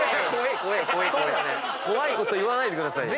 怖いこと言わないでくださいよ。